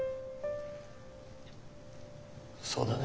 そうだね。